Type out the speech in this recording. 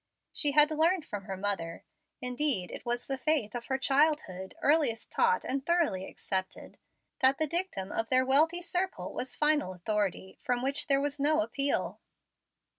She had learned from her mother indeed it was the faith of her childhood, earliest taught and thoroughly accepted that the dictum of their wealthy circle was final authority, from which there was no appeal.